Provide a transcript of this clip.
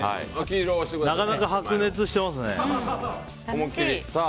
なかなか白熱してますね。